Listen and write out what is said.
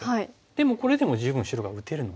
でもこれでも十分白が打てるので。